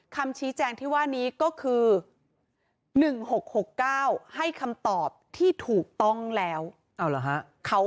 คำชี้แจงที่ว่านี้ก็คือ๑๖๖๙ให้คำตอบที่ถูกต้องแล้ว